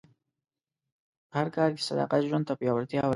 په هر کار کې صداقت ژوند ته پیاوړتیا ورکوي.